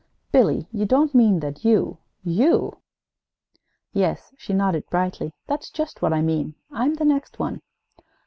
"Billy, you don't mean that you you " "Yes," she nodded brightly, "that's just what I mean. I'm the next one."